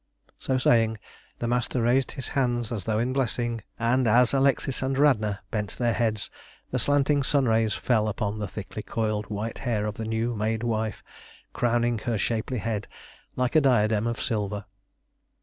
So saying, the Master raised his hands as though in blessing, and as Alexis and Radna bent their heads the slanting sunrays fell upon the thickly coiled white hair of the new made wife, crowning her shapely head like a diadem of silver.